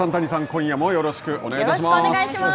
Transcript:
今夜もよろしくお願いします。